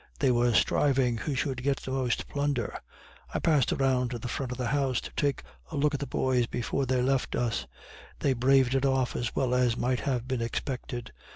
They were striving who should get the most plunder. I passed around to the front of the house to take a look at the boys before they left us; they braved it off as well as might have been expected.